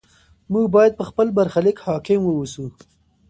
موږ باید په خپل برخلیک حاکم واوسو.